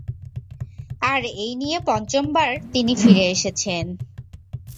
আর এই নিয়ে পঞ্চম বার তিনি ফিরে এসেছেন।